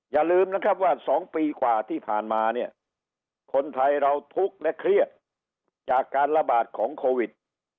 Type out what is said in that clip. อย่าลืมนะครับว่า๒ปีกว่าที่ผ่านมาเนี่ยคนไทยเราทุกข์และเครียดจากการระบาดของโควิด